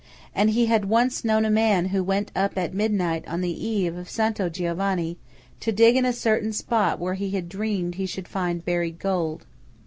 And he had once known a man who went up at midnight on the eve of Santo Giovanni, to dig in a certain spot where he had dreamed he should find buried gold.